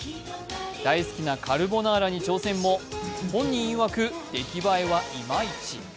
大好きなカルボナーラに挑戦も本人いわく出来栄えはイマイチ。